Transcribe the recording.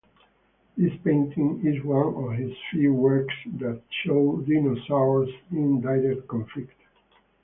This painting is one of his few works that show dinosaurs in direct conflict.